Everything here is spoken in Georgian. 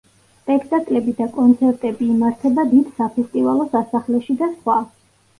სპექტაკლები და კონცერტები იმართება დიდ საფესტივალო სასახლეში და სხვა.